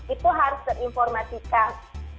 itu harus diinformasikan